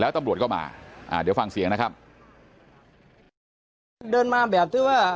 ตำรวจก็มาเดี๋ยวฟังเสียงนะครับ